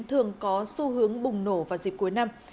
thường có xu hướng bùng nổ vào dịp cuối năm